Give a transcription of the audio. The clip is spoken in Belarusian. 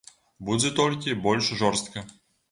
Будзе толькі больш жорстка.